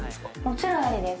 もちろんありです